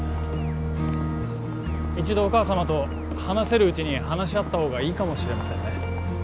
一度お母様と話せるうちに話し合ったほうがいいかもしれませんね